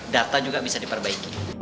data juga bisa diperbaiki